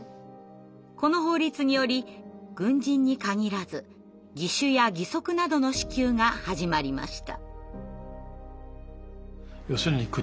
この法律により軍人に限らず義手や義足などの支給が始まりました。